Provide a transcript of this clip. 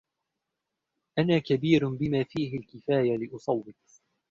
أنا كبير بما فيه الكفاية لأصوت.